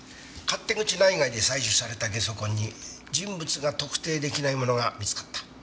勝手口内外で採取されたゲソ痕に人物が特定出来ないものが見つかった。